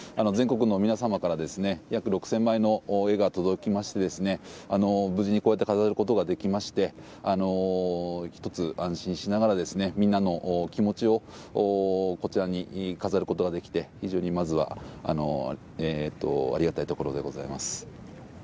全国の皆様から約６０００枚の絵が届きまして無事に飾ることができまして１つ、安心しながらみんなの気持ちをこちらに飾ることができて非常にまずはありがたいところでございます。